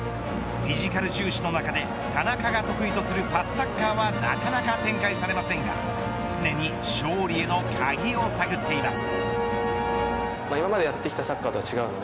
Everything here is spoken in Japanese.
フィジカル重視の中で田中が得意とするパスサッカーはなかなか展開されませんが常に勝利への鍵を探っています。